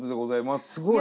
すごい！